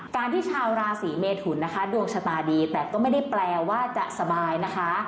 การที่ชาวราศีเมทุนนะคะดวงชะตาดีแต่ก็ไม่ได้แปลว่าจะสบายนะคะ